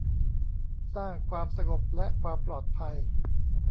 สร้างความสงบและความปลอดภัย